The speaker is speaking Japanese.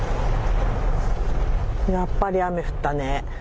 やっぱり雨降ったね。